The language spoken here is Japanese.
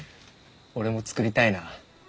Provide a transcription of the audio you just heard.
俺も作りたいな。